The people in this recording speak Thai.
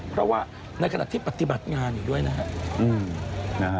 เพราะว่าในขณะที่ปฏิบัติงานอยู่ด้วยนะฮะ